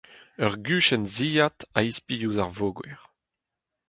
Ur guchenn zilhad a-ispilh ouzh ar voger.